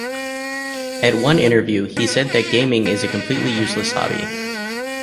At one interview he said that gaming is a completely useless hobby.